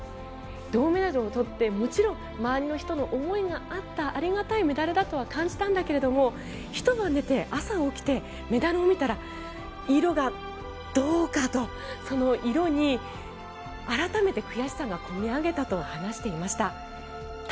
銅メダルを取ってもちろん周りの人の思いがあったありがたいメダルとは感じたんだけれどもひと晩寝て、朝起きてメダルを見たら色が銅かとその色に改めて悔しさがこみ上げたと話していました。